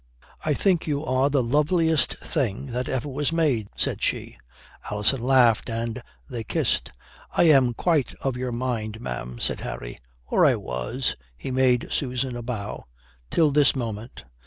"I think you are the loveliest thing that ever was made," said she. Alison laughed, and they kissed. "I am quite of your mind, ma'am," said Harry. "Or I was," he made Susan a bow, "till this moment."